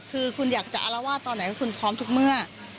คือคุณอยากจะอารวาสตอนไหนคุณพร้อมทุกเมื่อ